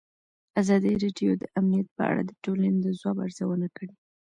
ازادي راډیو د امنیت په اړه د ټولنې د ځواب ارزونه کړې.